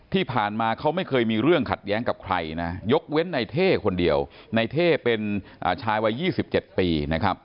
ที่ผ่านมาเขาไม่เคยมีเรื่องขัดแย้งกับใครนะยกเว้นในเท่คนเดียวในเท่เป็นชายวัย๒๗ปีนะครับ